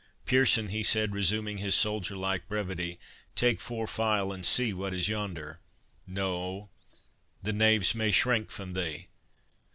—Pearson," he said, resuming his soldierlike brevity, "take four file, and see what is yonder—No—the knaves may shrink from thee.